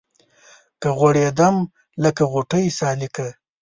که غوړېدم لکه غوټۍ سالکه